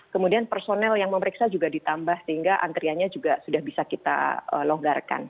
kemudian personel yang memeriksa juga ditambah sehingga antriannya juga sudah bisa kita longgarkan